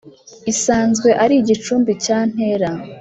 isanzwe ari igicumbi cya ntera